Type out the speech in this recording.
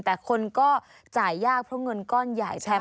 แต่คนก็จ่ายยากเพราะเงินก้อนใหญ่แพง